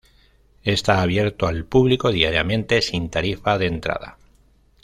Está abierto al público diariamente sin tarifa de entrada.